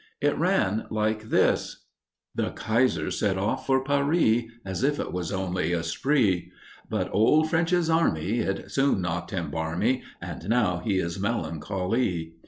It ran like this: The Kaiser set off for Paree As if it was only a spree, But old French's Army, It soon knocked him barmy, And now he is melancolee.